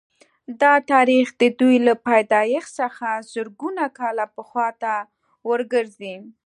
دا تاریخ د دوی له پیدایښت څخه زرګونه کاله پخوا ته ورګرځي